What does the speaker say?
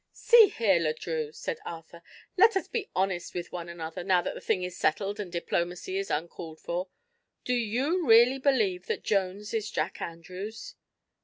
"See here, Le Drieux," said Arthur; "let us be honest with one another, now that the thing is settled and diplomacy is uncalled for. Do you really believe that Jones is Jack Andrews?"